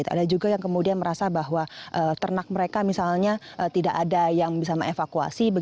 ada juga yang kemudian merasa bahwa ternak mereka misalnya tidak ada yang bisa mengevakuasi